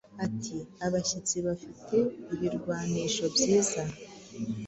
Ati abashyitsi bafite ibirwanisho byiza